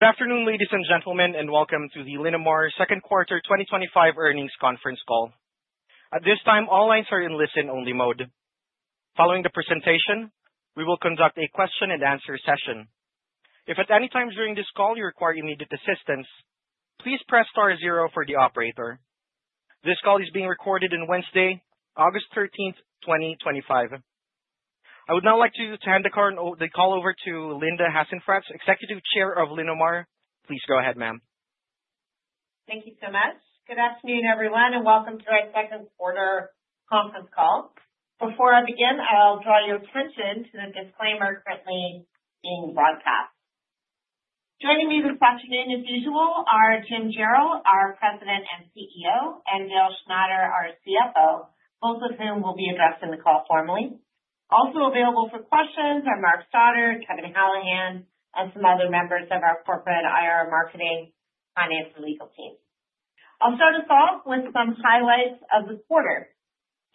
Good afternoon, ladies and gentlemen, and welcome to Linamar's Second Quarter 2025 Earnings Conference Call. At this time, all lines are in listen-only mode. Following the presentation, we will conduct a question-and-answer session. If at any time during this call you require immediate assistance, please press Star, zero for the operator. This call is being recorded on Wednesday, August 13, 2025. I would now like to hand the call over to Linda Hasenfratz, Executive Chair of Linamar. Please go ahead, ma'am. Thank you, Tomas. Good afternoon, everyone, and welcome to our second quarter conference call. Before I begin, I'll draw your attention to the disclaimer currently being broadcast. Joining me this afternoon, as usual, are Jim Jarrell, our President and CEO, and Dale Schneider, our CFO, both of whom will be addressed in the call formally. Also available for questions are Mark Stoddart, Kevin Hallahan, and some other members of our corporate IR, marketing, finance, and legal team. I'll start us off with some highlights of this quarter.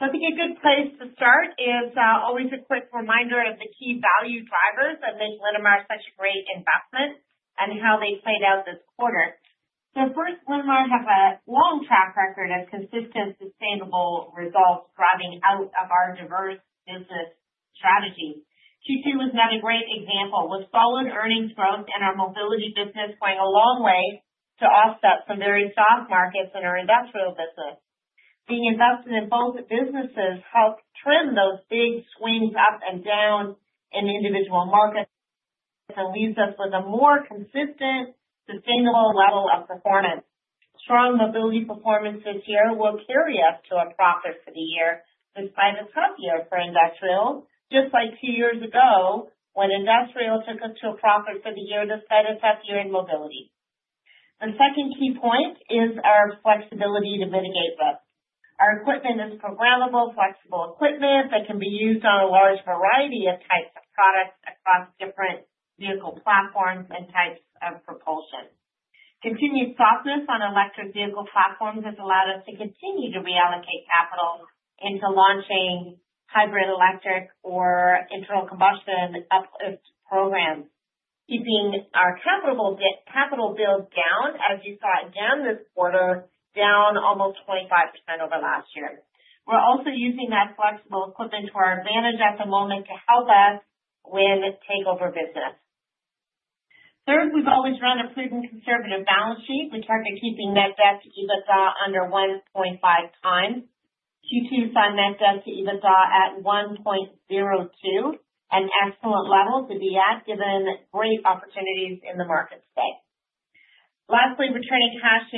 I think a good place to start is always a quick reminder of the key value drivers that make Linamar such a great investment and how they played out this quarter. First, Linamar has a long track record of consistent, sustainable results driving out of our diverse business strategies. Q2 was another great example, with solid earnings growth and our mobility business going a long way to offset some very soft markets in our industrial business. The investment in both businesses helped trim those big swings up and down in individual markets and leaves us with a more consistent, sustainable level of performance. Strong mobility performance this year will carry us to our profits for the year, despite a tough year for industrial, just like two years ago when industrial took us to a profit for the year despite a tough year in mobility. The second key point is our flexibility to mitigate risk. Our equipment is programmable, flexible equipment that can be used on a large variety of types of products across different vehicle platforms and types of propulsion. Continued softness on electric vehicle platforms has allowed us to continue to reallocate capital into launching hybrid electric or internal combustion uplift programs, keeping our capital build down, as you saw it down this quarter, down almost 25% over last year. We're also using that flexible equipment to our advantage at the moment to help us win this takeover business. Third, we've always run a prudent, conservative balance sheet. We've tried to keep the net debt to EBITDA under 1.5x. Q2 saw net debt to EBITDA at 1.02x, an excellent level to be at, given great opportunities in the market space. Lastly, returning cash to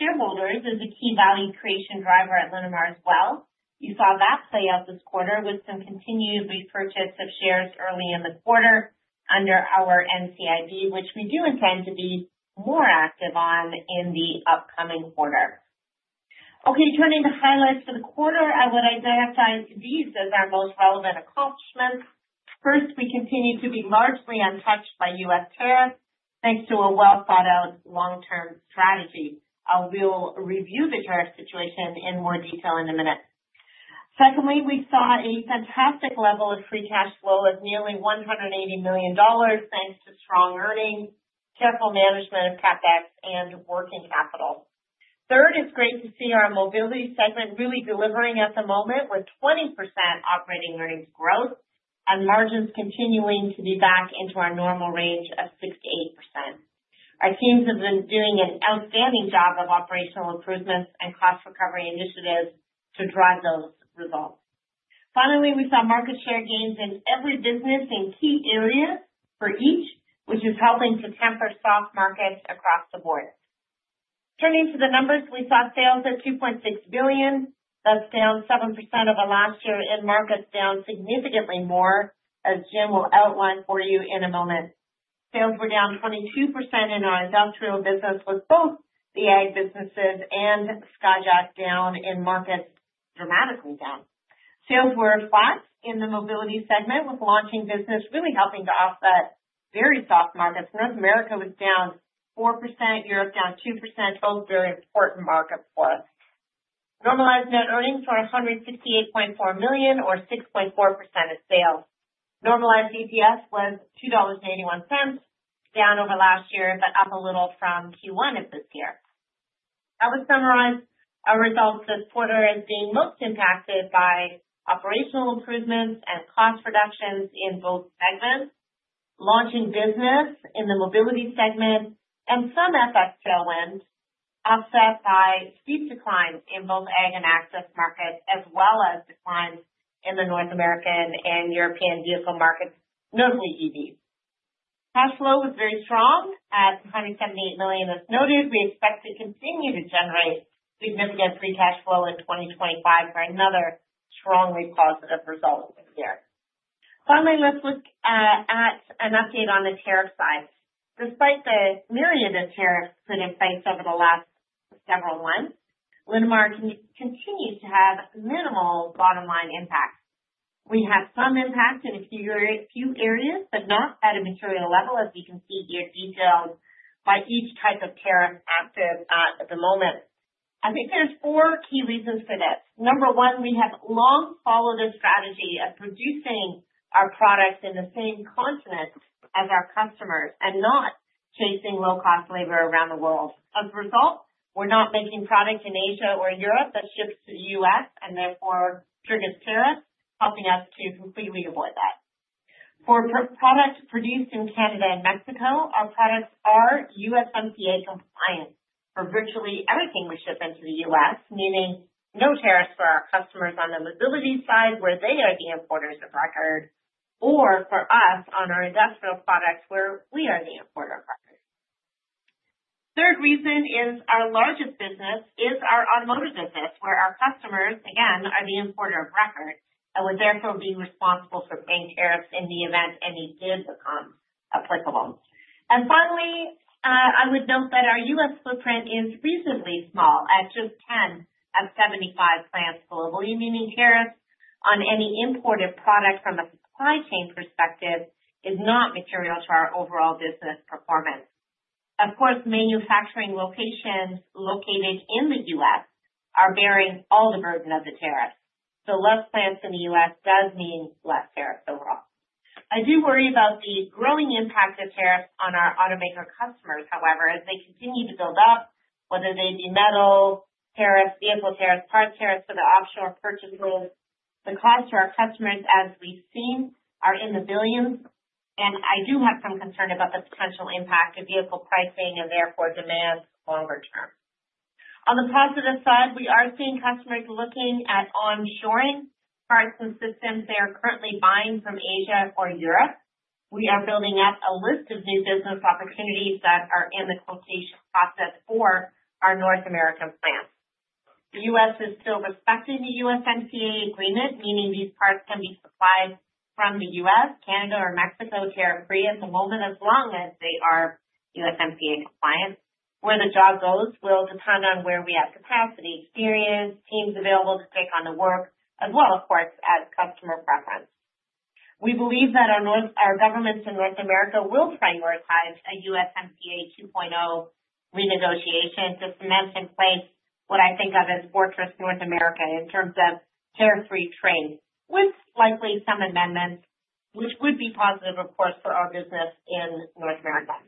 shareholders is a key value creation driver at Linamar as well. You saw that play out this quarter with some continued repurchase of shares early in the quarter under our NCIB, which we do intend to be more active on in the upcoming quarter. Okay, turning to highlights for the quarter, I would identify these as our most relevant accomplishments. First, we continue to be largely untouched by U.S. tariffs, thanks to a well-thought-out long-term strategy. I will review the tariff situation in more detail in a minute. Secondly, we saw a fantastic level of free cash flow of nearly $180 million, thanks to strong earnings, careful management of CapEx, and working capital. Third, it's great to see our mobility segment really delivering at the moment with 20% operating earnings growth and margins continuing to be back into our normal range of 6%-8%. Our teams have been doing an outstanding job of operational improvements and cost recovery initiatives to drive those results. Finally, we saw market share gains in every business in key areas for each, which is helping to temper soft markets across the board. Turning to the numbers, we saw sales at $2.6 billion, that's down 7% over last year, and markets down significantly more, as Jim will outline for you in a moment. Sales were down 22% in our industrial business, with both the ag businesses and Skyjack down in markets dramatically down. Sales were flat in the mobility segment, with launching business really helping to offset very soft markets growth. America was down 4%, Europe down 2%, both very important markets for us. Normalized net earnings were $168.4 million, or 6.4% of sales. Normalized EPS was $2.81, down over last year, but up a little from Q1 of this year. I would summarize our results this quarter as being most impacted by operational improvements and cost reductions in both segments, launching business in the mobility segment, and some FS sales ends affected by speed declines in both ag and access markets, as well as declines in the North American and European vehicle markets, notably EVs. Cash flow was very strong at $178 million. As noted, we expect to continue to generate significant free cash flow in 2025 for another strongly positive result this year. Finally, let's look at an update on the tariff side. Despite the myriad of tariffs put in place over the last several months, Linamar continues to have minimal bottom-line impact. We have some impact in a few areas, but not at a material level, as we can see here detailed by each type of tariff active at the moment. I think there's four key reasons for this. Number one, we have long followed a strategy of producing our products in the same continent as our customers and not chasing low-cost labor around the world. As a result, we're not making products in Asia or Europe that ship to the U.S. and therefore trigger tariffs, helping us to completely avoid that. For products produced in Canada and Mexico, our products are USMCA compliant for virtually everything we ship into the U.S., meaning no tariffs for our customers on the mobility side, where they are the importers of record, or for us on our industrial products, where we are the importer of record. The third reason is our largest business is our unloaded business, where our customers, again, are the importer of record, and we're therefore responsible for paying tariffs in the event any did become applicable. Finally, I would note that our U.S. footprint is reasonably small at just 10 of 75 plants globally, meaning tariffs on any imported product from a supply chain perspective is not material to our overall business performance. Of course, manufacturing locations located in the U.S. are bearing all the burden of the tariffs. Less plants in the U.S. does mean less tariffs overall. I do worry about the growing impact of tariffs on our automaker customers, however, as they continue to build up, whether they be metal tariffs, vehicle tariffs, parts tariffs for the offshore purchase rooms, the costs for our customers, as we've seen, are in the billions. I do have some concern about the potential impact of vehicle pricing and therefore demand longer term. On the positive side, we are seeing customers looking at onshoring parts and systems they are currently buying from Asia or Europe. We are building up a list of new business opportunities that are in the quotation process for our North American plants. The U.S. is still respecting the USMCA agreement, meaning these parts can be supplied from the U.S., Canada, or Mexico territory at the moment as long as they are USMCA compliant. Where the job goes will depend on where we have capacity, experience, teams available to take on the work, as well, of course, as customer preference. We believe that our government in North America will prioritize a USMCA 2.0 renegotiation to cement in place what I think of as fortress North America in terms of tariff-free trade, with likely some amendments, which would be positive, of course, for our business in North America.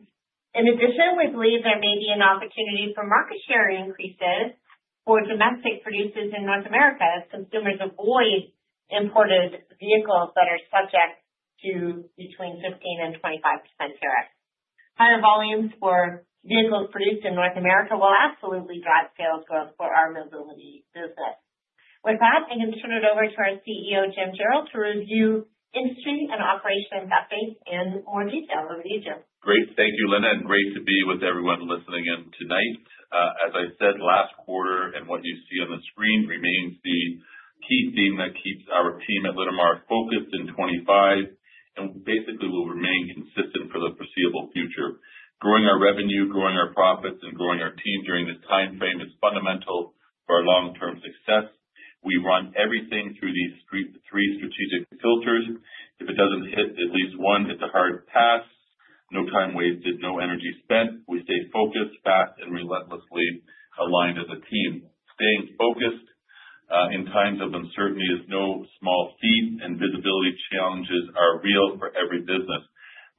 In addition, we believe there may be an opportunity for market share increases for domestic producers in North America as consumers avoid imported vehicles that are subject to between 15% and 25% tariffs. Higher volumes for vehicles produced in North America will absolutely drive sales growth for our mobility business. With that, I can turn it over to our CEO, Jim Jarrell, to review industry and operations updates in the region. Great, thank you, Linda, and great to be with everyone listening in tonight. As I said last quarter, and what you see on the screen remains the key theme that keeps our team at Linamar focused in 2025 and basically will remain consistent for the foreseeable future. Growing our revenue, growing our profits, and growing our teams during this timeframe is fundamental for our long-term success. We run everything through these three strategic filters. If it doesn't hit at least one, it's a hard pass. No time wasted, no energy spent. We stay focused, fast, and relentlessly aligned as a team. Staying focused in times of uncertainty is no small feat, and visibility challenges are real for every business.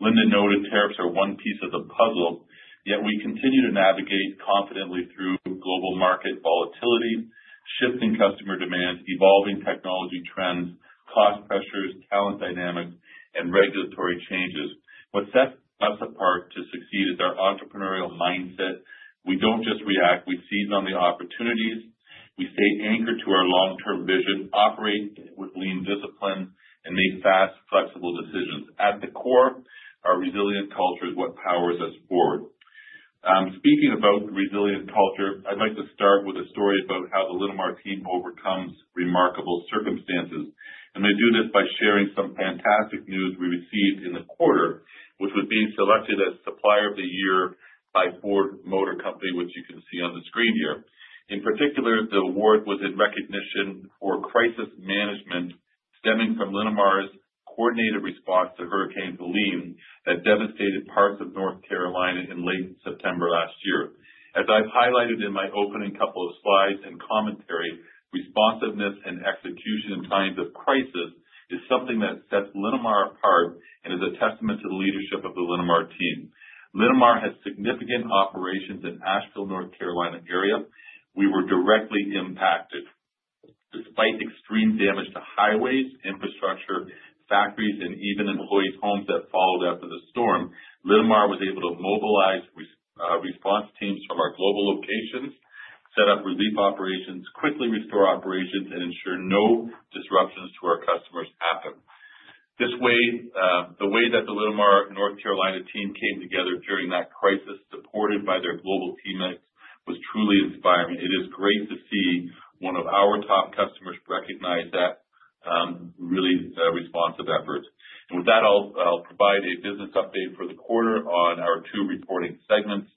Linda noted tariffs are one piece of the puzzle, yet we continue to navigate confidently through the global market volatility, shifting customer demands, evolving technology trends, cost pressures, talent dynamics, and regulatory changes. What sets us apart to succeed is our entrepreneurial mindset. We don't just react; we seize on the opportunities. We stay anchored to our long-term vision, operate with lean discipline, and make fast, flexible decisions. At the core, our resilient culture is what powers us forward. Speaking about resilient culture, I'd like to start with a story about how the Linamar team overcomes remarkable circumstances. I do this by sharing some fantastic news we received in the quarter, which was being selected as Supplier of the Year by Ford Motor Company, which you can see on the screen here. In particular, the award was in recognition for crisis management stemming from Linamar's coordinated response to Hurricane Helene that devastated parts of North Carolina in late September last year. As I've highlighted in my opening couple of slides and commentary, responsiveness and execution in times of crisis is something that sets Linamar apart and is a testament to the leadership of the Linamar team. Linamar has significant operations in the Asheville, North Carolina area. We were directly impacted. Despite extreme damage to highways, infrastructure, factories, and even employees' homes that followed after the storm, Linamar was able to mobilize response teams from our global locations, set up relief operations, quickly restore operations, and ensure no disruptions to our customers happen. The way that the Linamar North Carolina team came together during that crisis, supported by their global teammates, was truly inspiring. It is great to see one of our top customers recognize that, really is a responsive effort. With that, I'll provide a business update for the quarter on our two reporting segments.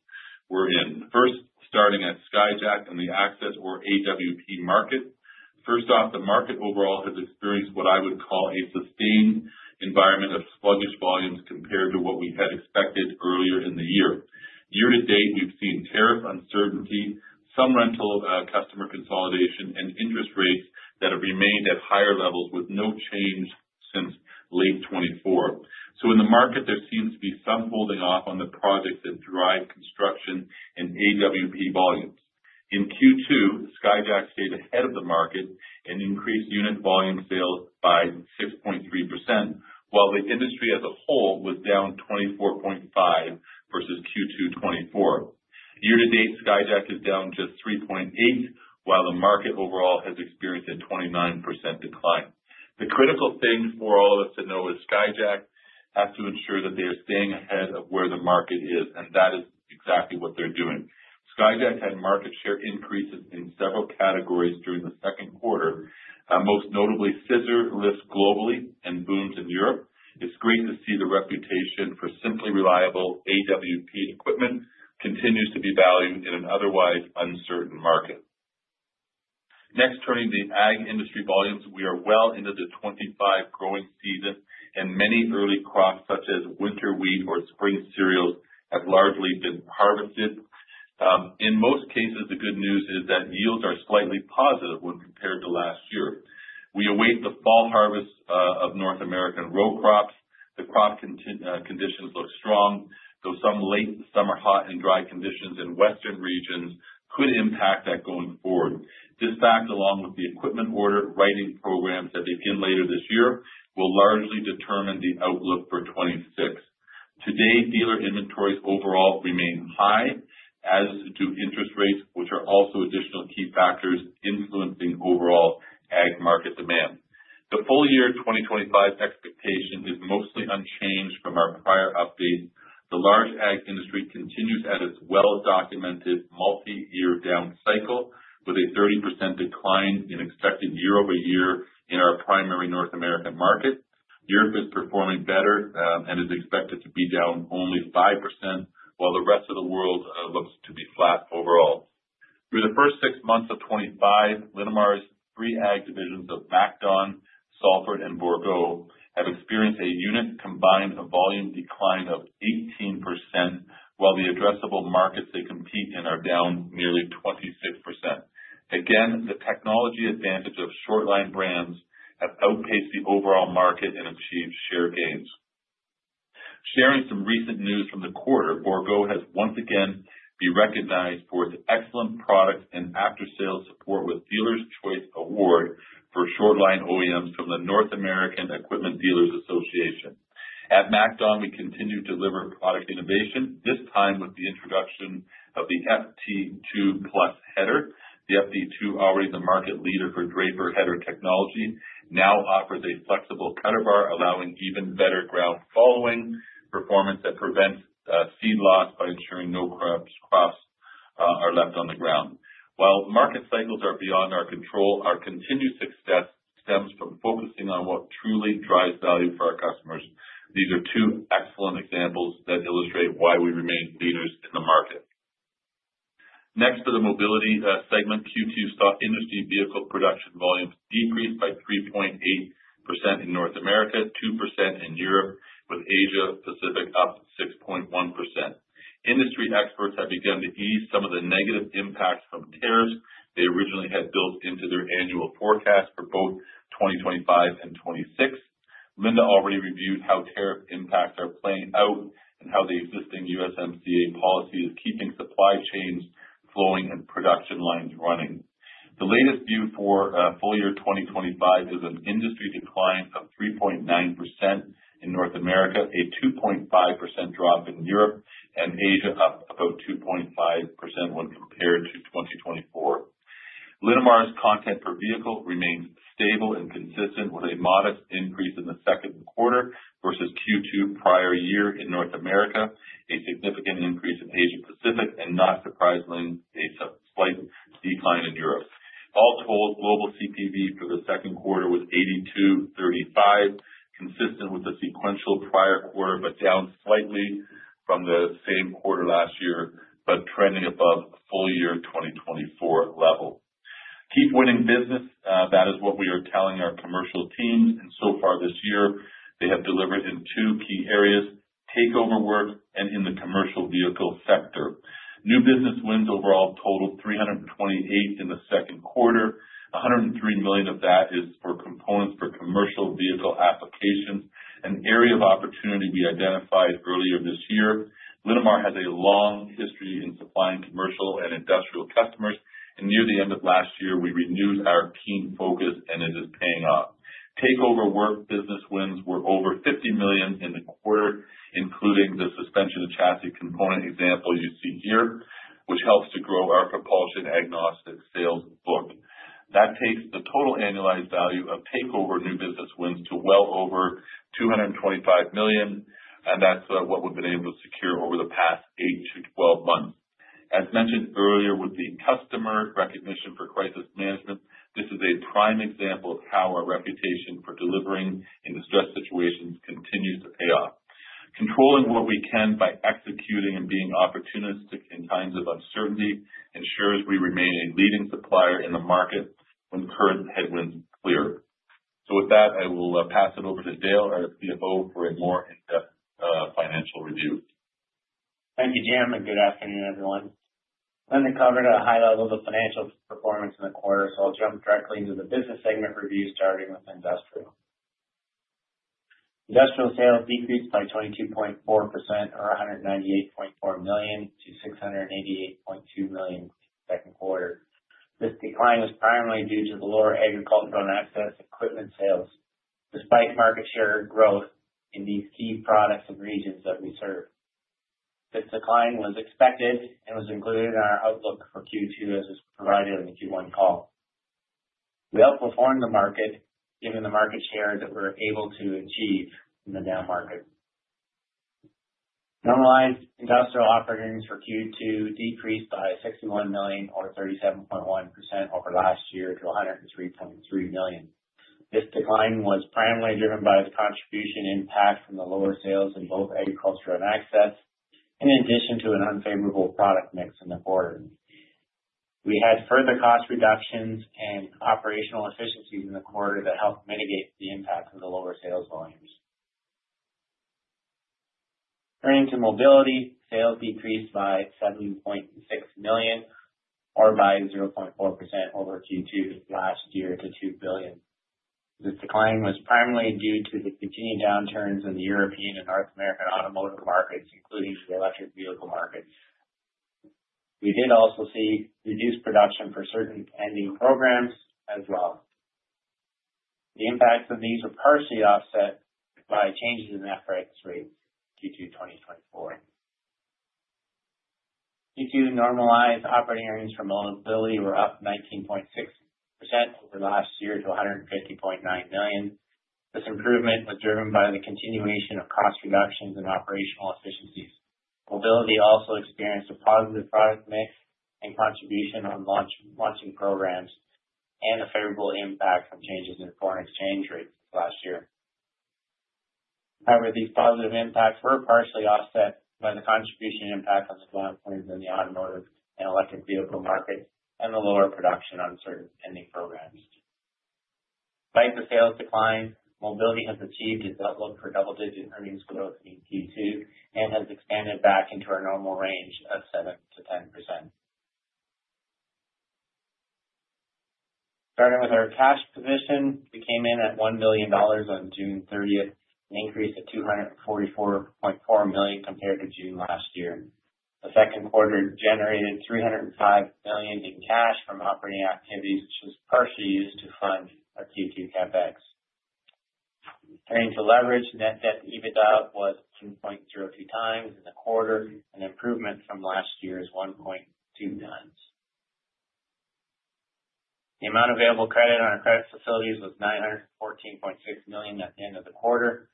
We're in first, starting at Skyjack and the access or AWP market. First off, the market overall has experienced what I would call a sustained environment of sluggish volumes compared to what we had expected earlier in the year. Year to date, we've seen tariff uncertainty, some rental customer consolidation, and interest rates that have remained at higher levels with no change since late 2024. In the market, there seems to be some holding off on the projects that drive construction and AWP volumes. In Q2, Skyjack stayed ahead of the market and increased unit volume sales by 6.3%, while the industry as a whole was down 24.5% versus Q2 2024. Year to date, Skyjack is down just 3.8%, while the market overall has experienced a 29% decline. The critical thing for all of us to know is Skyjack has to ensure that they are staying ahead of where the market is, and that is exactly what they're doing. Skyjack had market share increases in several categories during the second quarter, most notably scissor lifts globally and booms in Europe. It's great to see the reputation for simply reliable AWP equipment continues to be valued in an otherwise uncertain market. Next, turning to the ag industry volumes, we are well into the 2025 growing season, and many early crops such as winter wheat or spring cereals have largely been harvested. In most cases, the good news is that yields are slightly positive when compared to last year. We await the fall harvest of North American row crops. The crop conditions look strong, though some late, summer hot, and dry conditions in western regions could impact that going forward. This fact, along with the equipment order writing programs that begin later this year, will largely determine the outlook for 2026. Today, dealer inventories overall remain high, as do interest rates, which are also additional key factors influencing overall ag market demand. The full year 2025 expectation is mostly unchanged from our prior update. The large ag industry continues at its well-documented multi-year down cycle, with a 30% decline in expected year-over-year in our primary North American market. Europe is performing better and is expected to be down only 5%, while the rest of the world looks to be flat overall. Through the first six months of 2025, Linamar's three ag divisions of MacDon, Salford, and Bourgault have experienced a unit combined volume decline of 18%, while the addressable markets they compete in are down nearly 26%. Again, the technology advantages of shortline brands have outpaced the overall market and achieved share gains. Sharing some recent news from the quarter, Bourgault has once again been recognized for its excellent products and after-sales support with Dealer's Choice Award for Shortline OEMs from the North American Equipment Dealers Association. At MacDon, we continue to deliver product innovation, this time with the introduction of the FD2 PLUS header. The FD2, already the market leader for Draper header technology, now offers a flexible cutterbar allowing even better ground following performance that prevents seed loss by ensuring no crops are left on the ground. While market cycles are beyond our control, our continued success stems from focusing on what truly drives value for our customers. These are two excellent examples that illustrate why we remain leaders in the market. Next to the mobility segment, Q2 saw industry vehicle production volumes decrease by 3.8% in North America, 2% in Europe, with Asia-Pacific up 6.1%. Industry experts have begun to ease some of the negative impacts from tariffs they originally had built into their annual forecast for both 2025 and 2026. Linda already reviewed how tariff impacts are playing out and how the existing USMCA policy is keeping supply chains flowing and production lines running. The latest view for full year 2025 is an industry decline of 3.9% in North America, a 2.5% drop in Europe, and Asia up about 2.5% when compared to 2024. Linamar's content per vehicle remains stable and consistent with a modest increase in the second quarter versus Q2 prior year in North America, a significant increase in Asia-Pacific, and not surprisingly, a slight decline in Europe. All told, global CPV for the second quarter was $82.35, consistent with the sequential prior quarter, but down slightly from the same quarter last year, but trending above full year 2024 levels. Keep winning business, that is what we are telling our commercial teams, and so far this year, they have delivered in two key areas: takeover work and in the commercial vehicle sector. New business wins overall totaled 328 in the second quarter. $103 million of that is for components for commercial vehicle applications, an area of opportunity we identified earlier this year. Linamar has a long history in supplying commercial and industrial customers, and near the end of last year, we renewed our team focus, and it is paying off. Takeover work business wins were over $50 million in the quarter, including the suspension of the chassis component example you see here, which helps to grow our propulsion agnostic sales book. That takes the total annualized value of takeover new business wins to well over $225 million, and that's what we've been able to secure over the past 8-12 months. As mentioned earlier, with the customer recognition for crisis management, this is a prime example of how our reputation for delivering in distressed situations continues to pay off. Controlling what we can by executing and being opportunistic in times of uncertainty ensures we remain a leading supplier in the market when current headwinds clear. I will pass it over to Dale, our CFO, for a more in-depth financial review. Thank you, Jim, and good afternoon, everyone. Let me cover the high level of the financial performance in the quarter. I'll jump directly into the business segment review starting with Industrial. Industrial sales decreased by 22.4%, or $198.4 million-$688.2 million for the second quarter. This decline is primarily due to lower agricultural and access equipment sales, despite market share growth in the key products or regions that we serve. This decline was expected and was included in our outlook for Q2 as it was provided in the Q1 call. We outperformed the market given the market share that we're able to achieve in the net market. Normalized Industrial operating earnings for Q2 decreased by $61 million, or 37.1% over last year, to $103.3 million. This decline was primarily driven by the contribution impact from the lower sales in both agricultural and access, in addition to an unfavorable product mix in the quarter. We had further cost reductions and operational efficiency in the quarter that helped mitigate the impact of the lower sales volumes. Turning to mobility sales decreased by $7.6 million, or by 0.4% over Q2 last year, to $2 billion. This decline was primarily due to the continued downturns in the European and North American automotive markets, including for electric vehicle markets. We did also see reduced production for certain engine programs as well. The impacts of these were partially offset by changes in the FX rate due to Q2 2024. Q2 normalized operating earnings for mobility were up 19.6% over last year to $150.9 million. This improvement was driven by the continuation of cost reductions and operational efficiencies. Mobility also experienced a positive product mix and contribution on launching programs and a favorable impact from changes in foreign exchange rates last year. However, these positive impacts were partially offset by the contribution impact on supply points in the automotive and electric vehicle market and the lower production on certain engine programs. Despite the sales decline, mobility has achieved its outlook for double-digit earnings growth in Q2 and has expanded back into our normal range of 7%-10%. Starting with our cash position, we came in at $1 million on June 30th, an increase of $244.4 million compared to June last year. The second quarter generated $305 million in cash from operating activities, which was partially used to fund our Q2 CapEx. Turning to leverage, net debt to EBITDA was 1.02x in the quarter, an improvement from last year's 1.2x. The amount of available credit on our credit facilities was $914.6 million at the end of the quarter.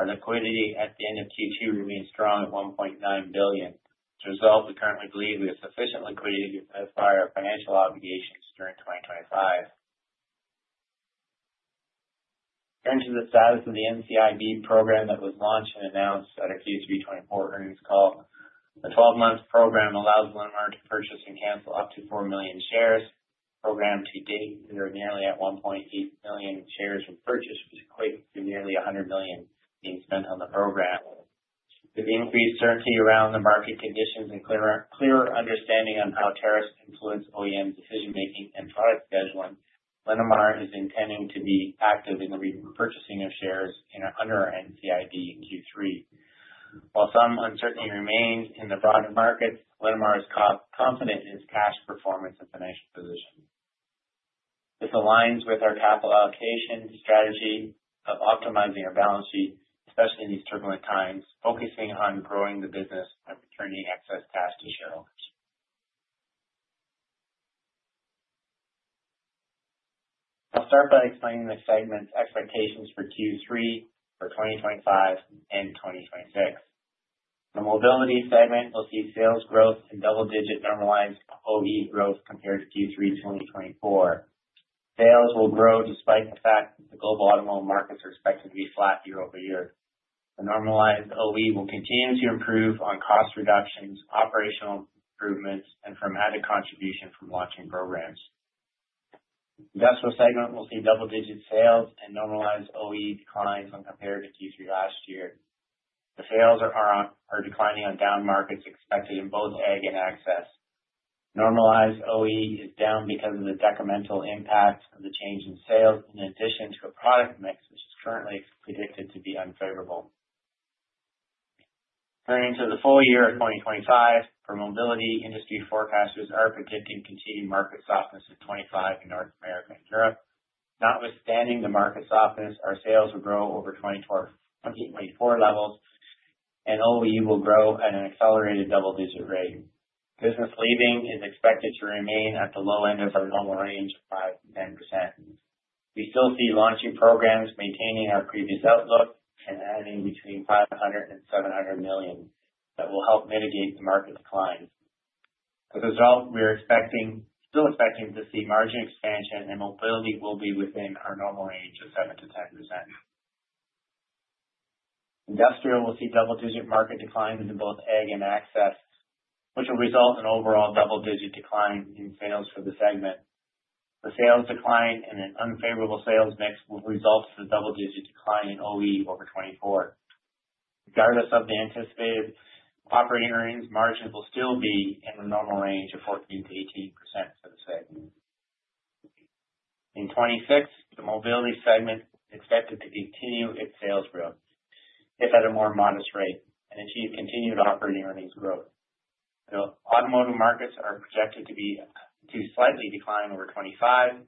Our liquidity at the end of Q2 remains strong at $1.9 billion. The results are currently believed to be sufficient liquidity to satisfy our financial obligations during 2025. Here's the status of the NCIB program that was launched and announced at our Q3 2024 earnings call. The 12-month program allows Linamar to purchase and cancel up to 4 million shares. The program to date is nearly at 1.8 million shares from purchase, which equates to nearly $100 million being spent on the program. With the increased certainty around the market conditions and clear understanding on how tariffs influence OEM decision-making and product scheduling, Linamar is intending to be active in the reading for purchasing of shares under our NCIB in Q3. While some uncertainty remains in the broader markets, Linamar is confident in its cash performance and financial position. This aligns with our capital allocation strategy of optimizing our balance sheet, especially in these turbulent times, focusing on growing the business and earning excess cash to show. I'll start by explaining the segment's expectations for Q3 for 2025 and 2026. In the mobility segment, we'll see sales growth and double-digit normalized OE growth compared to Q3 2024. Sales will grow despite the fact that the global automotive markets are expected to be flat year over year. The normalized OE will continue to improve on cost reductions, operational improvements, and from added contribution from launching programs. The industrial segment will see double-digit sales and normalized OE declines when compared to Q3 last year. The sales are declining on down markets expected in both agricultural equipment and access. Normalized OE is down because of the detrimental impacts of the change in sales in addition to a product mix which is currently predicted to be unfavorable. Turning to the full year in 2025, our mobility industry forecasters are predicting continued market softness in 2025 in North America and Europe. Notwithstanding the market softness, our sales will grow over 2024 levels and OE will grow at an accelerated double-digit rating. Business leaving is expected to remain at the low end of our normal range of 5%-10%. We still see launching programs maintaining our previous outlook and adding between $500 million and $700 million that will help mitigate the market decline. As a result, we're still expecting to see margin expansion and mobility will be within our normal range of 7%-10%. Industrial will see double-digit market declines in both ag and access, which will result in an overall double-digit decline in sales for the segment. The sales decline and an unfavorable sales mix will result in a double-digit decline in OE over 2024. Regardless of the anticipated operating earnings, margins will still be in the normal range of 14%-18% for the segment. In 2026, the mobility segment is expected to continue its sales growth, if at a more modest rate, and achieve continued operating earnings growth. The automotive markets are projected to slightly decline over 2025.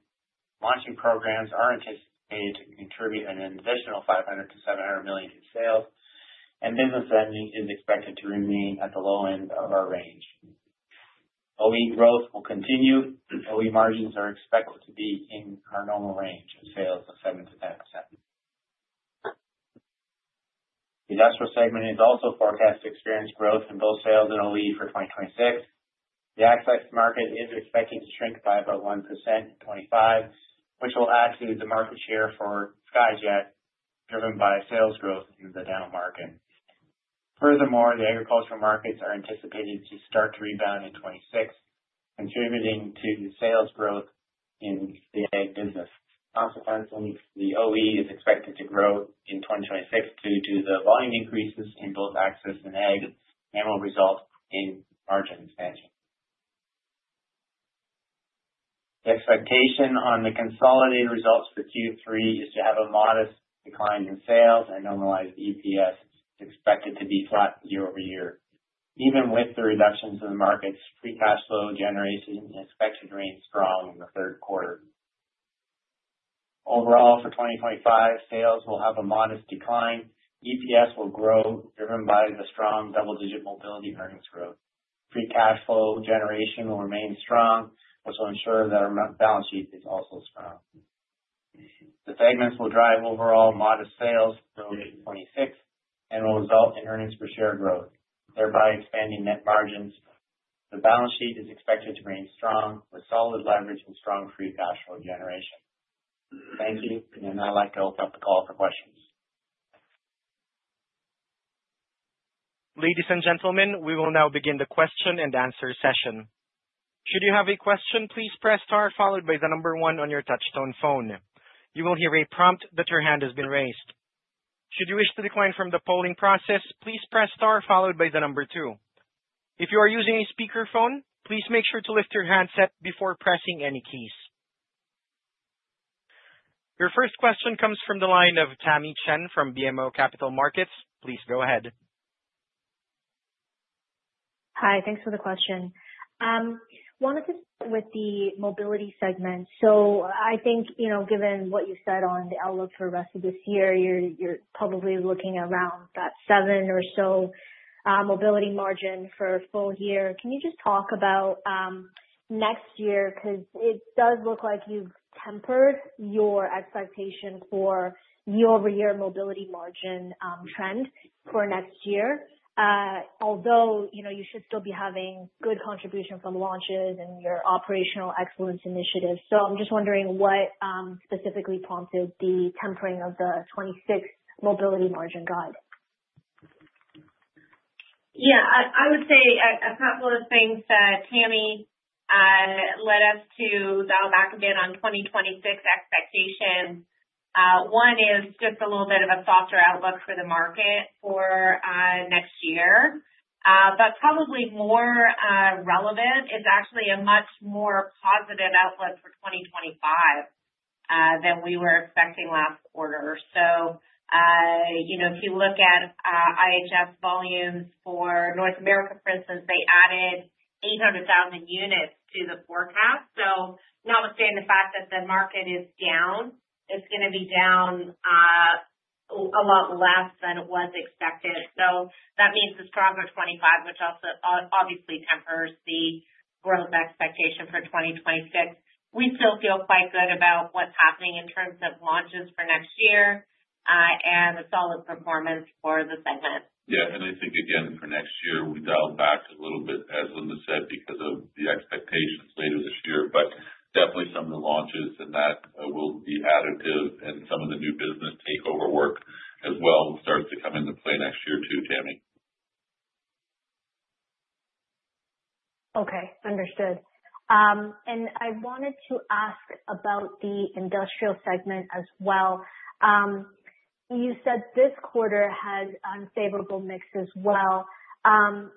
Launching programs are anticipated to contribute an additional $500 million-$700 million in sales, and business earnings are expected to remain at the low end of our range. OE growth will continue, and OE margins are expected to be in our normal range of sales of 7%-10%. The industrial segment is also forecast to experience growth in both sales and OE for 2026. The access market is expected to shrink by about 1% in 2025, which will add to the market share for Skyjack, driven by sales growth in the down market. Furthermore, the agricultural markets are anticipated to start to rebound in 2026, contributing to sales growth in the ag business. Our forecasting is the OE is expected to grow in 2026 due to the volume increases in both access and ag, and will result in margin expansion. The expectation on the consolidated results for Q3 is to have a modest decline in sales and normalized EPS expected to be flat year over year, even with the reductions in the markets. Free cash flow generation is expected to remain strong in the third quarter. Overall, for 2025, sales will have a modest decline. EPS will grow, driven by the strong double-digit mobility earnings growth. Free cash flow generation will remain strong. This will ensure that our balance sheet is also strong. The segments will drive overall modest sales going into 2026 and will result in earnings per share growth, thereby expanding net margins. The balance sheet is expected to remain strong with solid leverage and strong free cash flow generation. Thank you, and I'd like to open up the call for questions. Ladies and gentlemen, we will now begin the question-and-answer session. Should you have a question, please press Star followed by the number one on your touch-tone phone. You will hear a prompt that your hand has been raised. Should you wish to decline from the polling process, please press star followed by the number two. If you are using a speaker phone, please make sure to lift your handset before pressing any keys. Your first question comes from the line of Tamy Chen from BMO Capital Markets. Please go ahead. Hi, thanks for the question. I wanted to start with the mobility segment. I think, you know, given what you said on the outlook for the rest of this year, you're probably looking around that 7% or so mobility margin for a full year. Can you just talk about next year? It does look like you've tempered your expectation for year-over-year mobility margin trend for next year, although you should still be having good contribution from launches and your operational excellence initiatives. I'm just wondering what specifically prompted the tempering of the 2026 mobility margin guide. Yeah, I would say, a couple of things, Tamy, and led us to dial back a bit on 2026 expectations. One is just a little bit of a softer outlook for the market for next year, but probably more relevant, it's actually a much more positive outlook for 2025 than we were expecting last quarter. If you look at IHS volumes for North America, for instance, they added 800,000 units to the forecast. Notwithstanding the fact that the market is down, it's going to be down a lot less than it was expected. That means this problem of 2025, which also obviously tempers the growth expectation for 2026, we still feel quite good about what's happening in terms of launches for next year and the solid performance for the segment. Yeah, I think, again, for next year, we dialed back a little bit, as Linda said, because of the expectations later this year. Definitely, some of the launches and that will be additive, and some of the new business takeover work as well starts to come into play next year too, Tamy. Okay, understood. I wanted to ask about the industrial segment as well. You said this quarter had unfavorable mix as well.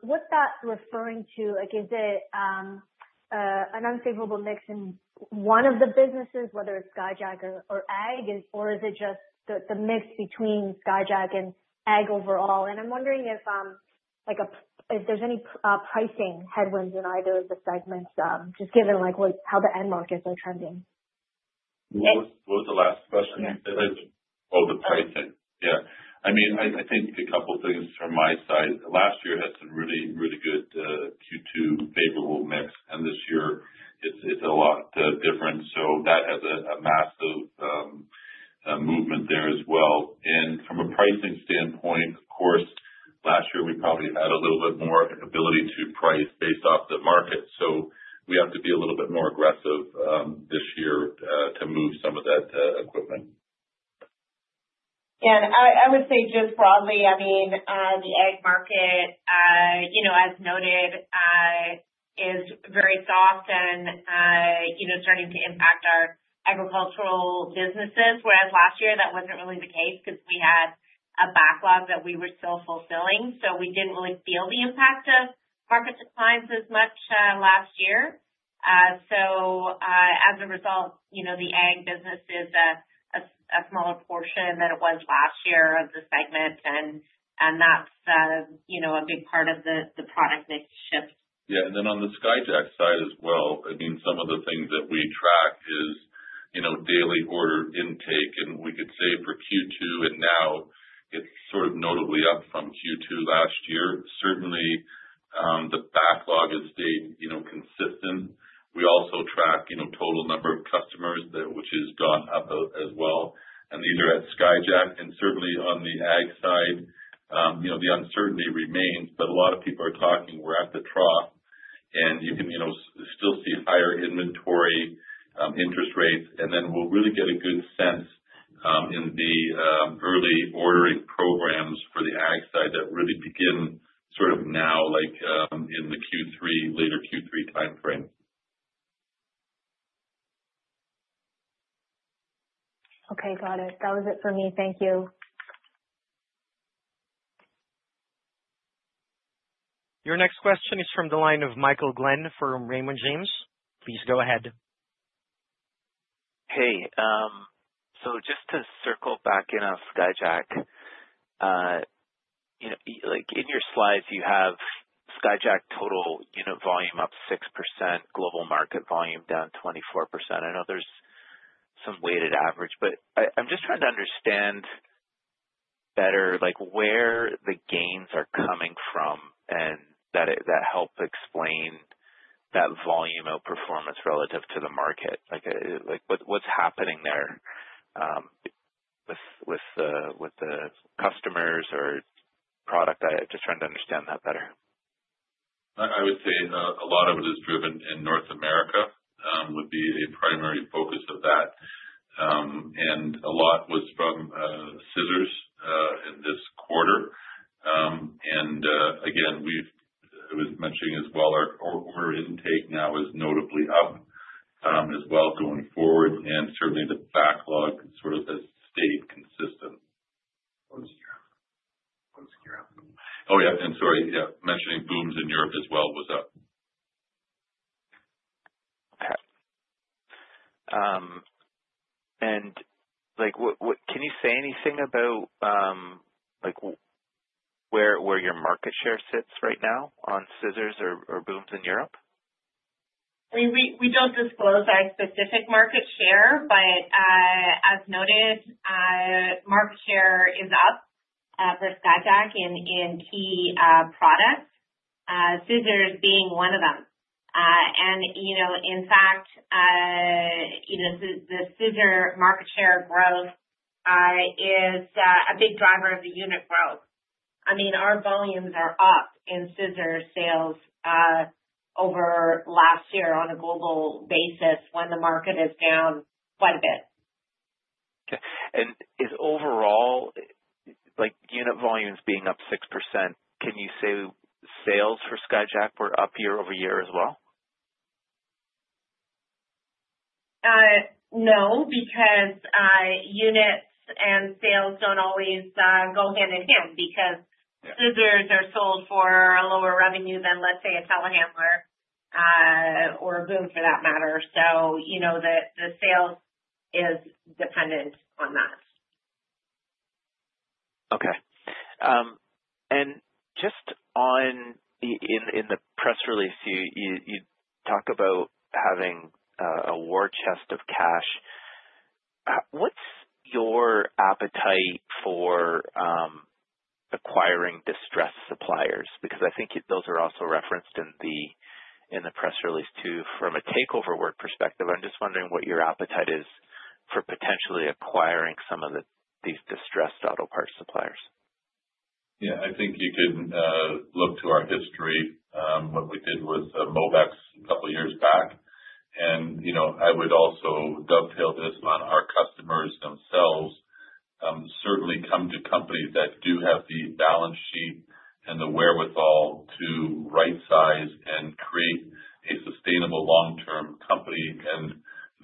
What's that referring to? Like, is it an unfavorable mix in one of the businesses, whether it's Skyjack or ag, or is it just the mix between Skyjack and ag overall? I'm wondering if, like, is there any pricing headwinds in either of the segments, just given like what how the end markets are trending? What was the last question? Oh, the pricing. Yeah. I think a couple of things from my side. Last year had some really, really good Q2 favorable mix, and this year, it's a lot different. That has a massive movement there as well. From a pricing standpoint, of course, last year we probably had a little bit more ability to price based off the market. We have to be a little bit more aggressive this year to move some of that equipment. Yeah, I would say just broadly, I mean, the ag market, you know, as noted, is very soft and, you know, starting to impact our agricultural businesses, whereas last year that wasn't really the case because we had a backlog that we were still fulfilling. We didn't really feel the impact of market declines as much last year. As a result, you know, the ag business is a smaller portion than it was last year of the segment, and that's a big part of the product that shifts. Yeah, on the Skyjack side as well, some of the things that we track are daily order intake. We could say for Q2, it's notably up from Q2 last year. Certainly, the backlog is staying consistent. We also track the total number of customers there, which has gone up as well. These are at Skyjack. On the ag side, the uncertainty remains, but a lot of people are talking, we're at the trough. You can still see higher inventory, interest rates. We'll really get a good sense in the early ordering programs for the ag side that really begin now, like in the Q3, later Q3 timeframe. Okay, got it. That was it for me. Thank you. Your next question is from the line of Michael Glen from Raymond James. Please go ahead. Hey, just to circle back in on Skyjack, you know, like in your slides, you have Skyjack total unit volume up 6%, global market volume down 24%. I know there's some weighted average, but I'm just trying to understand better, like, where the gains are coming from and that help explain that volume outperformance relative to the market. Like, what's happening there with the customers or product? I'm just trying to understand that better. I would say a lot of it is driven in North America, would be a primary focus of that. A lot was from scissors in this quarter. I was mentioning as well, our order intake now is notably up as well going forward, and certainly the backlog has stayed consistent. Oh, yeah, and sorry, mentioning booms in Europe as well was up. What can you say about where your market share sits right now on scissors or booms in Europe? We don't disclose our specific market share, but, as noted, market share is up for Skyjack and key products, scissors being one of them. In fact, the scissor market share growth is a big driver of the unit growth. Our volumes are up in scissors sales over last year on a global basis when the market is down quite a bit. Okay. Is overall, like unit volumes being up 6%, can you say sales for Skyjack were up year-over-year as well? No, because units and sales don't always go hand in hand because scissors are sold for a lower revenue than, let's say, a telehandler or a boom for that matter. The sales is dependent on that. Okay. In the press release, you talk about having a war chest of cash. What's your appetite for acquiring distressed suppliers? I think those are also referenced in the press release too. From a takeover work perspective, I'm just wondering what your appetite is for potentially acquiring some of these distressed auto parts suppliers. Yeah, I think you can look through our history, what we did with Mobex a couple of years back. I would also dovetail this on our customers themselves, certainly come to companies that do have the balance sheet and the wherewithal to right size and create a sustainable long-term company.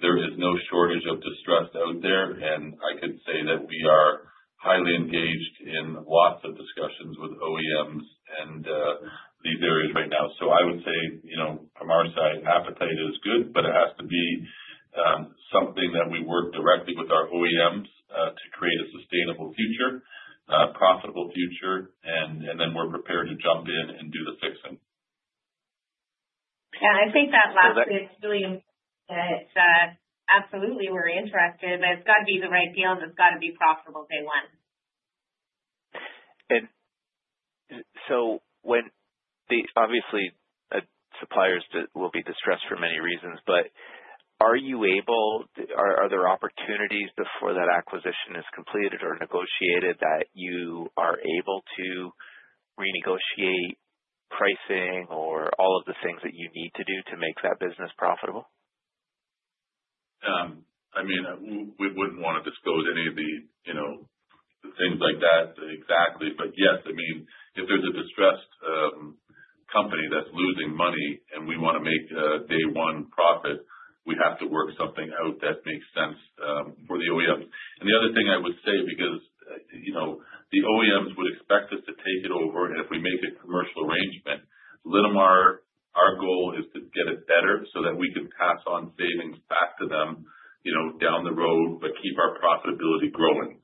There is no shortage of distressed owned there. I can say that we are highly engaged in lots of discussions with OEMs and these areas right now. I would say, from our side, an appetite is good, but it has to be something that we work directly with our OEMs to create a sustainable future, a profitable future, and then we're prepared to jump in and do the fixing. Yeah, I think that last is really important. Absolutely, we're interested. It's got to be the right deal, and it's got to be profitable day one. When the suppliers will be distressed for many reasons, are you able, are there opportunities before that acquisition is completed or negotiated that you are able to renegotiate pricing or all of the things that you need to do to make that business profitable? I mean, we wouldn't want to disclose any of the things like that exactly, but yes, if there's a distressed company that's losing money and we want to make a day-one profit, we have to work something out that makes sense for the OEM. The other thing I would say, because the OEMs would expect us to take it over, and if we make a commercial arrangement, Linamar, our goal is to get it better so that we can pass on savings back to them down the road, but keep our profitability growing.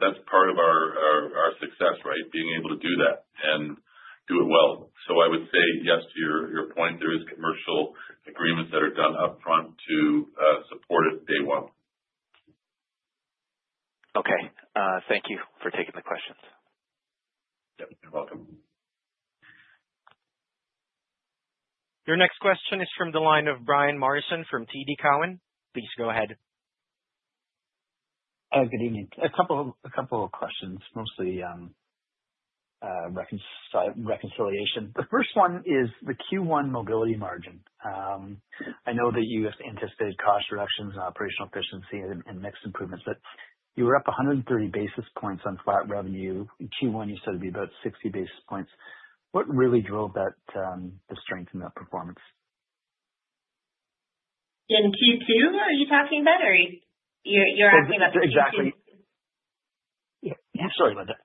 That's part of our success, right? Being able to do that and do it well. I would say yes to your point. There are commercial agreements that are done upfront to support it day one. Okay. Thank you for taking the questions. You're welcome. Your next question is from the line of Brian Morrison from TD Cowen. Please go ahead. Good evening. A couple of questions, mostly reconciliation. The first one is the Q1 mobility margin. I know that you have anticipated cost reductions and operational efficiency and mix improvements, but you were up 130 basis points on flat revenue. In Q1, you said it'd be about 60 basis points. What really drove that strength in that performance? In Q2, are you talking about, or you're asking about Q2? Exactly. Yeah, sorry about that.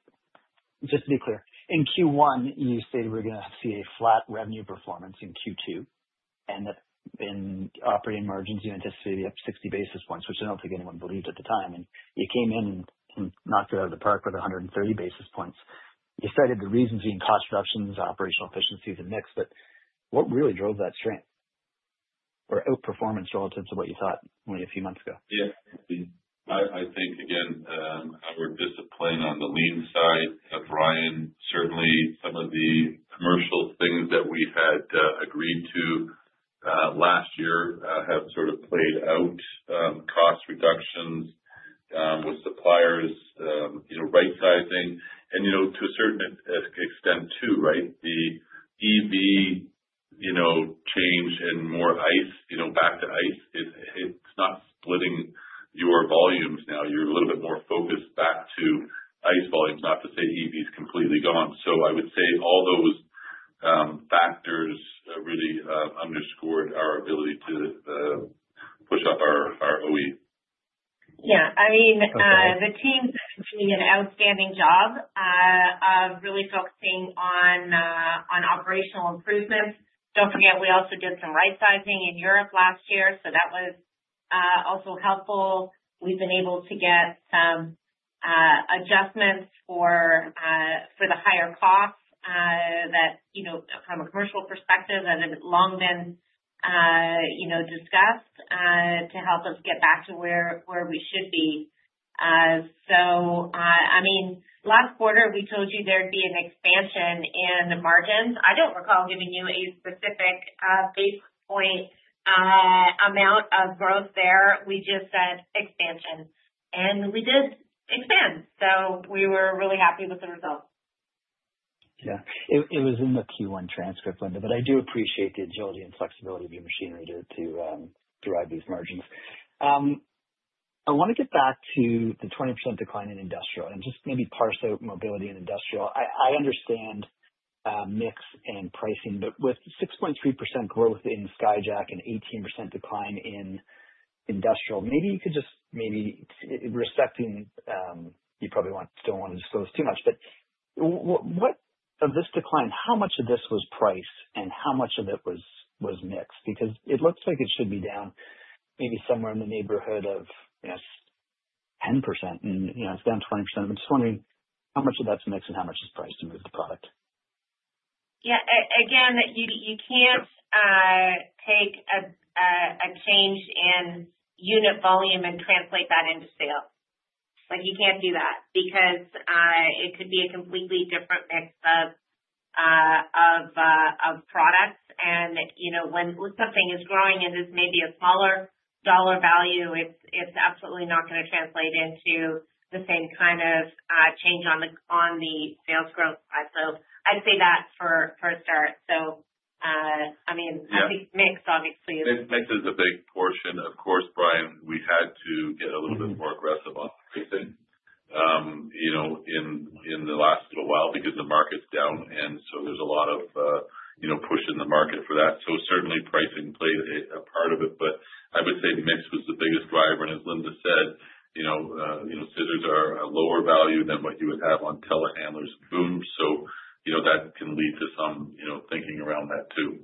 Just to be clear, in Q1, you stated we're going to see a flat revenue performance in Q2. In operating margins, you anticipated you'd have 60 basis points, which I don't think anyone believed at the time. You came in and knocked it out of the park with 130 basis points. You cited the reasons being cost reductions, operational efficiencies, and mix, but what really drove that strength or outperformance relative to what you thought only a few months ago? Yeah, I think, again, our discipline on the lean side of Brian, certainly some of the commercial things that we had agreed to last year have sort of played out, cost reductions with suppliers, right sizing. To a certain extent too, the EV change and more internal combustion engine, back to internal combustion engine, it's not splitting your volumes now. You're a little bit more focused back to internal combustion engine volumes, not to say the EV is completely gone. I would say all those factors really underscored our ability to push up our OE. Yeah, I mean, the team's doing an outstanding job of really focusing on operational improvements. Don't forget, we also did some right sizing in Europe last year, so that was also helpful. We've been able to get some adjustments for the higher cost that, you know, from a commercial perspective that have long been, you know, discussed, to help us get back to where we should be. Last quarter, we told you there'd be an expansion in the margins. I don't recall giving you a specific base point amount of growth there. We just said expansion, and we did expand. We were really happy with the results. Yeah, it was in the Q1 transcript, Linda, but I do appreciate the agility and flexibility of your machinery to drive these margins. I want to get back to the 20% decline in industrial. I'm just going to be partial to mobility and industrial. I understand mix and pricing, but with 6.3% growth in Skyjack and an 18% decline in industrial, maybe you could just, maybe it's respecting, you probably still don't want to disclose too much, but what of this decline, how much of this was price and how much of it was mix? Because it looks like it should be down maybe somewhere in the neighborhood of, you know, 10%. It's down 20%. I'm just wondering how much of that's mix and how much is price to move the product. Yeah, you can't take a change in unit volume and translate that into sales. You can't do that because it could be a completely different mix of products. When something is growing and this may be a smaller dollar value, it's absolutely not going to translate into the same kind of change on the sales growth. I'd say that for a start. I mean, it's mixed, obviously. Mix is a big portion. Of course, Brian, we had to get a little bit more aggressive on pricing in the last little while because the market's down. There's a lot of push in the market for that. Certainly, pricing played a part of it, but I would say the mix was the biggest driver. As Linda said, scissors are a lower value than what you would have on telehandlers and booms. That can lead to some thinking around that too.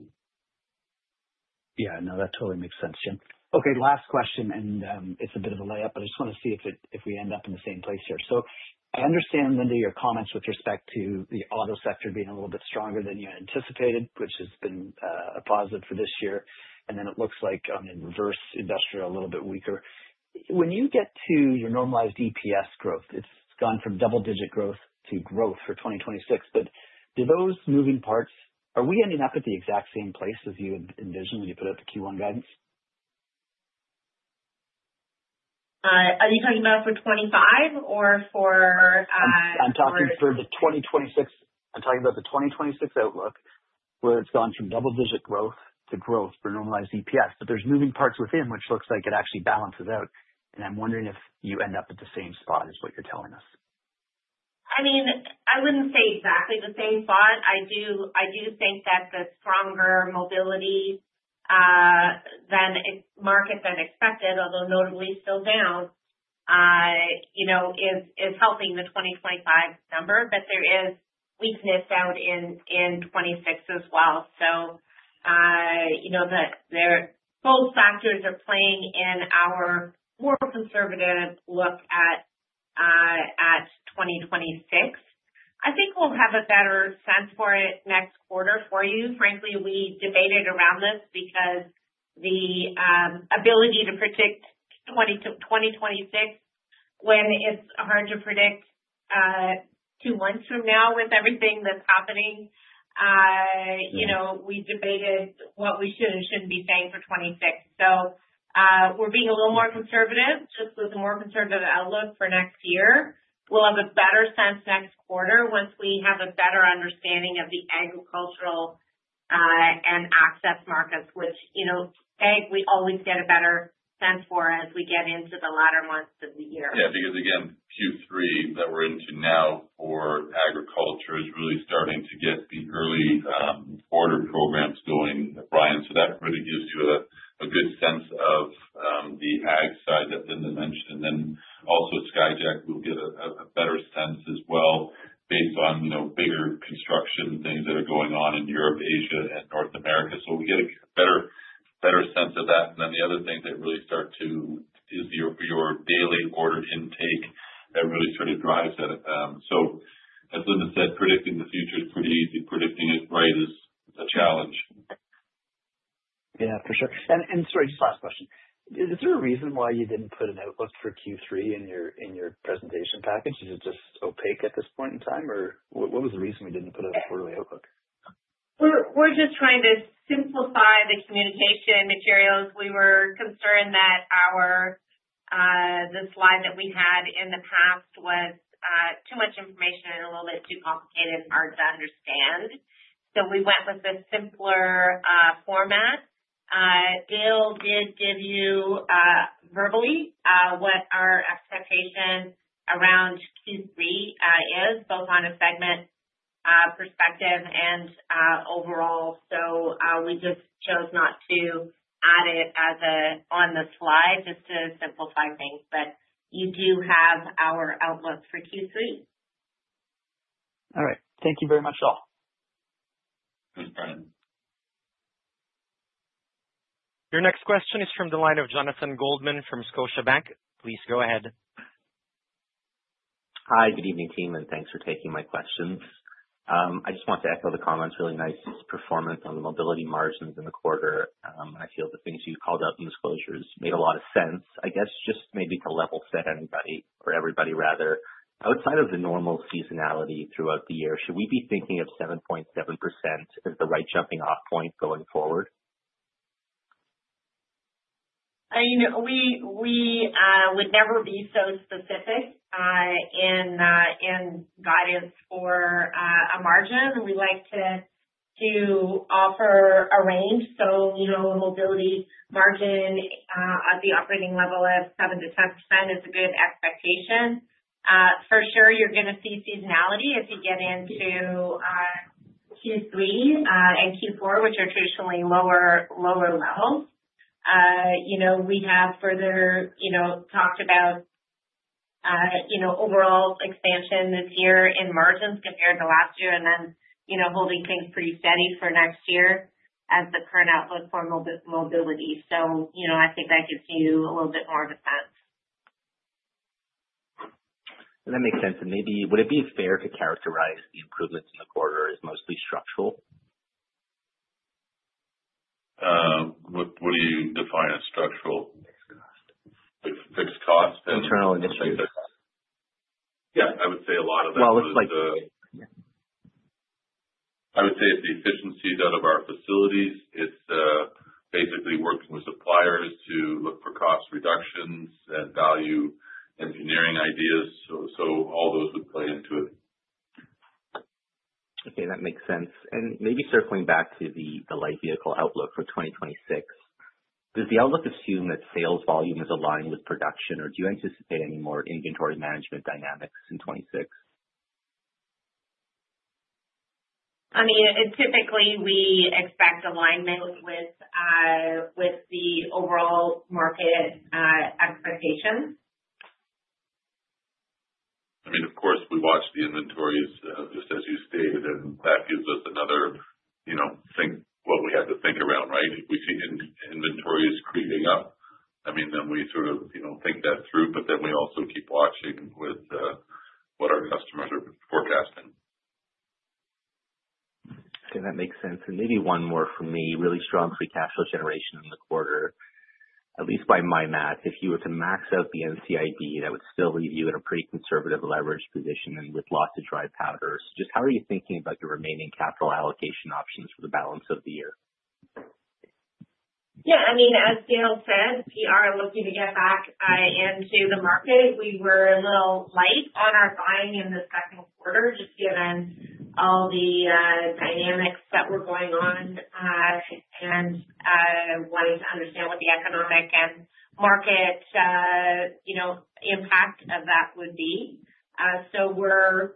Yeah, no, that totally makes sense, Jim. Okay, last question, and it's a bit of a layup, but I just want to see if we end up in the same place here. I understand, Linda, your comments with respect to the auto sector being a little bit stronger than you anticipated, which has been a positive for this year. It looks like on the reverse, industrial a little bit weaker. When you get to your normalized EPS growth, it's gone from double-digit growth to growth for 2026. Do those moving parts mean we are ending up at the exact same place as you envisioned when you put out the Q1 guidance? Are you talking about for 2025 or for? I'm talking about the 2026 outlook, where it's gone from double-digit growth to growth for normalized EPS. There are moving parts within, which looks like it actually balances out. I'm wondering if you end up at the same spot is what you're telling us. I mean, I wouldn't say exactly the same spot. I do think that the stronger mobility market than expected, although notably still down, is helping the 2025 number, but there is weakness out in 2026 as well. The both factors are playing in our more conservative look at 2026. I think we'll have a better sense for it next quarter for you. Frankly, we debated around this because the ability to predict 2026, when it's hard to predict two months from now with everything that's happening, we debated what we should and shouldn't be paying for 2026. We're being a little more conservative, just with a more conservative outlook for next year. We'll have a better sense next quarter once we have a better understanding of the agricultural and access markets, which we always get a better sense for as we get into the latter months of the year. Yeah, because again, Q3 that we're into now for agriculture is really starting to get the early order programs going with Brian. That really gives you a good sense of the ag side that Linda mentioned. Also, at Skyjack, we'll get a better sense as well based on bigger construction things that are going on in Europe, Asia, and North America. We get a better sense of that. The other thing that really starts to matter is your daily order intake. Everybody's trying to drive that. As Linda said, predicting the future is pretty easy. Predicting it right is the challenge. Yeah, for sure. Sorry, just last question. Is there a reason why you didn't put an outlook for Q3 in your presentation package? Is it just opaque at this point in time, or what was the reason we didn't put a quarterly outlook? We're just trying to simplify the communication materials. We were concerned that this line that we had in the past was too much information and a little bit too complicated for our exam to understand. We went with a simpler format. Dale did give you verbally what our expectation around Q3 is, both on a segment perspective and overall. We just chose not to add it on the slide to simplify things, but you do have our outlook for Q3. All right. Thank you very much, all. Thanks, Brian. Your next question is from the line of Jonathan Goldman from Scotiabank. Please go ahead. Hi, good evening, team, and thanks for taking my questions. I just want to echo the comments. Really nice performance on the mobility margins in the quarter. I feel the things you called out in disclosures made a lot of sense. I guess just maybe to level set anybody or everybody, rather, outside of the normal seasonality throughout the year, should we be thinking of 7.7% as the right jumping-off point going forward? I mean, we would never be so specific in guidance for a margin, and we like to offer a range. A mobility margin at the operating level of 7%-10% is a good expectation. For sure, you're going to see seasonality as you get into Q3 and Q4, which are traditionally lower levels. We have further talked about overall expansion this year in margins compared to last year, and then holding things pretty steady for next year as the current outlook for mobility. I think that gives you a little bit more of a sense. That makes sense. Would it be fair to characterize the improvements in the quarter as mostly structural? What do you define as structural? Fixed costs. Fixed costs? Internal initiatives. Yeah, I would say a lot of it. It's like. I would say it's the efficiencies out of our facilities. It's basically working with suppliers to look for cost reductions and value engineering ideas. All those would play into it. Okay, that makes sense. Maybe circling back to the light vehicle outlook for 2026, does the outlook assume that sales volume is aligned with production, or do you anticipate any more inventory management dynamics in 2026? Typically, we expect alignment with the overall market expectations. Of course, we watch the inventories, just as you stated, and that gives us another thing we have to think around, right? If we see inventories creeping up, we sort of think that through, but we also keep watching what our customers are forecasting. Okay, that makes sense. Maybe one more for me. Really strong free cash flow generation in the quarter, at least by my math. If you were to max out the NCIB, that would still leave you in a pretty conservative leverage position and with lots of dry powder. How are you thinking about your remaining capital allocation options for the balance of the year? Yeah, I mean, as the old saying goes, we are looking to get back into the market. We were a little light on our sign in the second quarter, just given all the dynamics that were going on and wanting to understand what the economic and market impact of that would be. We're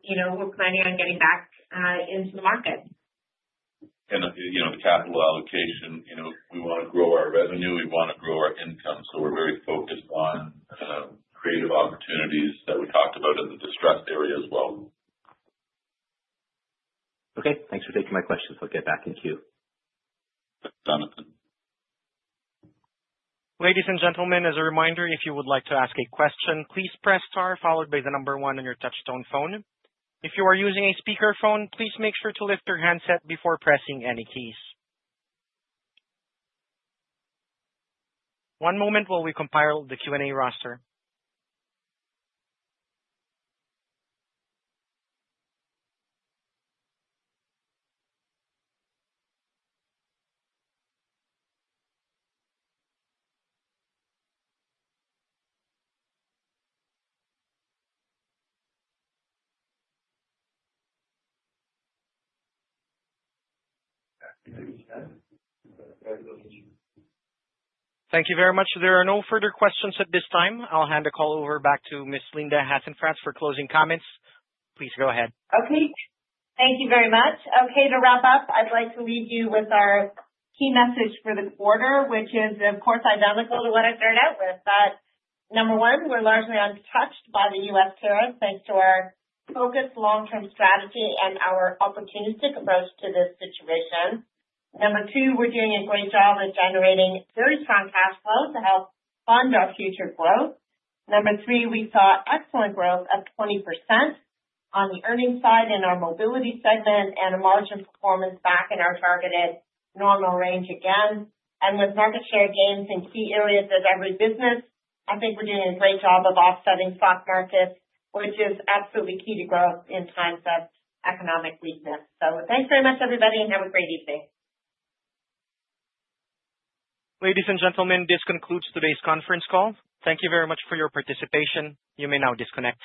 planning on getting back into the market. The capital allocation, you know, we want to grow our revenue. We want to grow our income. We're very focused on accretive opportunities that we talked about in the distressed area as well. Okay, thanks for taking my questions. I'll get back in queue. Ladies and gentlemen, as a reminder, if you would like to ask a question, please press Star followed by the number one on your touch-tone phone. If you are using a speaker phone, please make sure to lift your handset before pressing any keys. One moment while we compile the Q&A roster. Thank you very much. There are no further questions at this time. I'll hand the call over back to Ms. Linda Hasenfratz for closing comments. Please go ahead. Okay. Thank you very much. To wrap up, I'd like to leave you with our key message for the quarter, which is, of course, identical to what it started out with. Number one, we're largely untouched by the U.S. tariffs thanks to our focused long-term strategy and our opportunistic approach to this situation. Number two, we're doing a great job of generating very strong cash flow to help fund our future growth. Number three, we saw excellent growth at 20% on the earnings side in our mobility segment and a margin of performance back in our targeted normal range again. With market share gains in key areas of every business, I think we're doing a great job of offsetting stock markets, which is absolutely key to growth in times of economic weakness. Thanks very much, everybody, and have a great evening. Ladies and gentlemen, this concludes today's conference call. Thank you very much for your participation. You may now disconnect.